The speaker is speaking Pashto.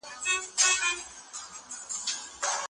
ټیسټسټرون د مزاج او تمرکز لپاره اړین دی.